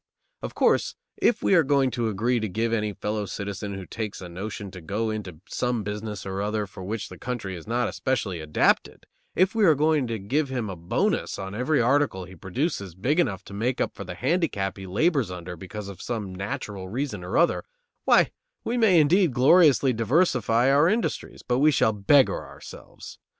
Of course, if we are going to agree to give any fellow citizen who takes a notion to go into some business or other for which the country is not especially adapted, if we are going to give him a bonus on every article he produces big enough to make up for the handicap he labors under because of some natural reason or other, why, we may indeed gloriously diversify our industries, but we shall beggar ourselves.